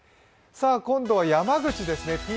今度は山口ですね。